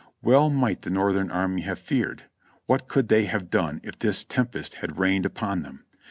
Well might the Northern army have feared. What could they have done if this tempest had rained upon them?